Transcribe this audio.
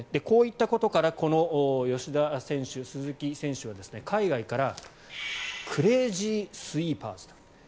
こういったことからこの吉田選手、鈴木選手は海外からクレージースイーパーズと。